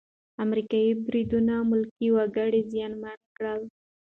امریکايي بریدونه ملکي وګړي زیانمن کړل.